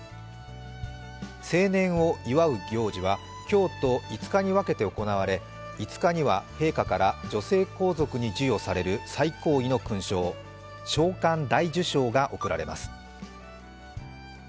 成年を祝う行事は今日と５日に分けて行われ５日には陛下から女性皇族に授与される最高位の勲章宝冠大綬章が贈られます。